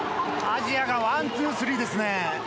アジアがワンツースリーですね。